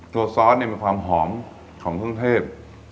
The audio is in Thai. ซอสเนี่ยมีความหอมของเครื่องเทศ